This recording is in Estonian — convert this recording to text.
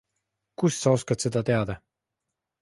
Kust sa oskad seda teada!